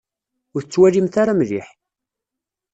Ur tettwalimt ara mliḥ.